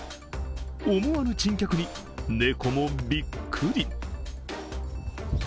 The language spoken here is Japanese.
思わぬ珍客に猫もびっくり。